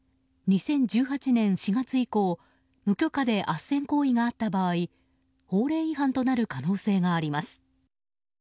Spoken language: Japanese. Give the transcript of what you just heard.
２０１８年４月以降、無許可であっせん行為があった場合法令違反となる可能性があります。